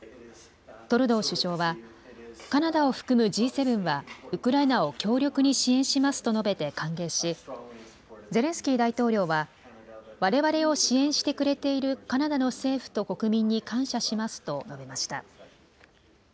トルドー首相はカナダを含むＧ７は、ウクライナを強力に支援しますと述べて歓迎し、ゼレンスキー大統領はわれわれを支援してくれているカナダの政府と国民に感謝しますと述べました。